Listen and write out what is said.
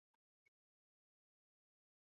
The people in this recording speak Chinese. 西汉时期建立。